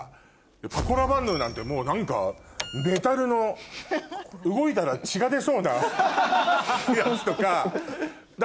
パコラバンヌなんてもう何かメタルの動いたら血が出そうなやつとか。